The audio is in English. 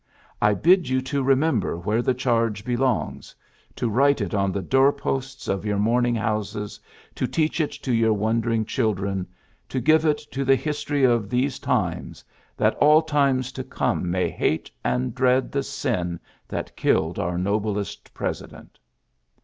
I bid you to re member where the charge belongs, to write it on the door posts of your mourn ing houses, to teach it to your wondering children, to give it to the history of these times, that all times to come may hate and dread the sin that killed our noblest President.